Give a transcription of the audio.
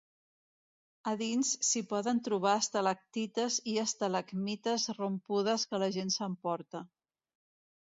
A dins s'hi poden trobar estalactites i estalagmites rompudes que la gent s'emporta.